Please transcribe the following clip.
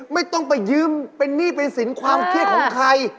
ไม่ต้องไปยืมเป็นหนี้เป็นสินความเครียดของใคร